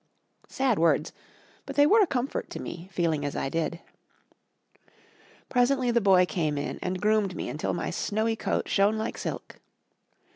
Sad words, but they were a comfort to me, feeling as I did. Presently the boy came in and groomed me until my snowy coat shone like silk.